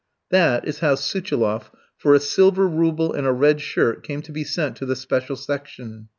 That is how Suchiloff, for a silver rouble and a red shirt, came to be sent to the special section.